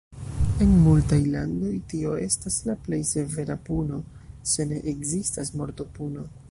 En multaj landoj tio estas la plej severa puno, se ne ekzistas mortopuno.